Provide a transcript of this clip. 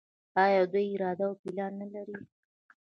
آیا دوی اراده او پلان نلري؟